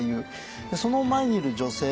その前にいる女性